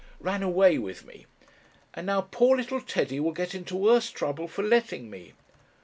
"Ran away with me. And now poor little Teddy will get into worse trouble for letting me...."